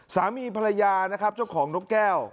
สามีภรรยานะครับเจ้าของนกแก้ว